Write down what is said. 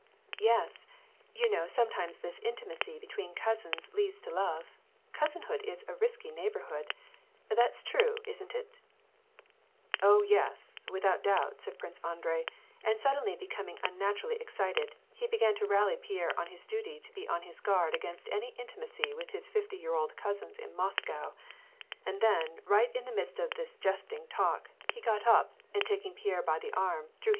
" Yes ! You know sometimes this intimacy between cousins leads to love ; cousin hood is a risky neighborhood ! that's true, isn't it ?"*" Oh, yes, without doubt," said Prince Andrei ; and suddenly becoming unnaturally excited, he began to rally Pierre on his duty to be on his guard against any intimacy with his fifty year old cousins in Moscow ; and then, right in the midst of his jesting talk, he got up, and taking Pierre bj'^the arm, drew him aside.